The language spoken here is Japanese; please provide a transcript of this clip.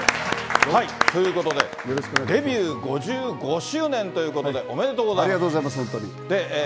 ということで、デビュー５５周年ということで、おめでとうございありがとうございます、本当に。